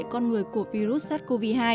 con người của virus sars cov hai